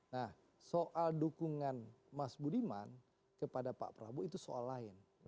nah soal dukungan mas budiman kepada pak prabowo itu soal lain